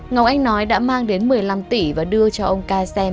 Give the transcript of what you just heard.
ngọc anh nói đã mang đến một mươi năm tỷ và đưa cho ông ca xem